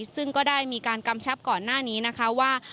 ซึ่งก็ได้มีการกำชับก่อนหน้านี้นะคะว่า